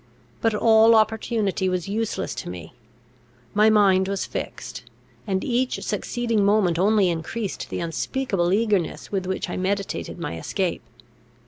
But all opportunity was useless to me; my mind was fixed, and each succeeding moment only increased the unspeakable eagerness with which I meditated my escape.